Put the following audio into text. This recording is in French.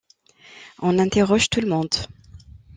On interroge tout le monde.